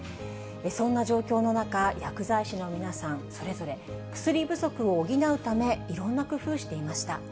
そんな状況の中、薬剤師の皆さん、それぞれ薬不足を補うため、いろんな工夫をしていました。